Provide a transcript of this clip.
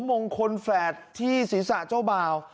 มงคลแฝดที่ศีรษะเจ้าบ่าว